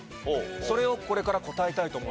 それをこれから答えたいと思うんですけど。